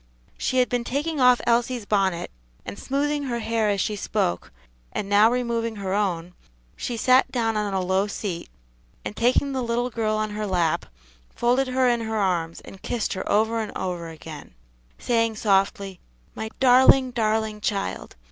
She had been taking off Elsie's bonnet, and smoothing her hair as she spoke, and now removing her own, she sat down on a low seat, and taking the little girl on her lap, folded her in her arms, and kissed her over and over again, saying softly, "My darling, darling child!